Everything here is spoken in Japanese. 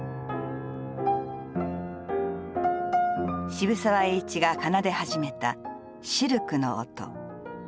渋沢栄一が奏で始めたシルクの音。